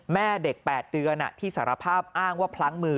แม่เด็ก๘เดือนที่สารภาพอ้างว่าพลั้งมือ